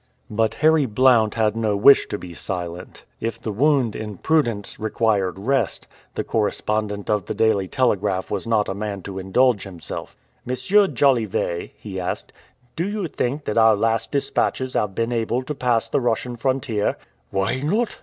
But Harry Blount had no wish to be silent. If the wound, in prudence, required rest, the correspondent of the Daily Telegraph was not a man to indulge himself. "M. Jolivet," he asked, "do you think that our last dispatches have been able to pass the Russian frontier?" "Why not?"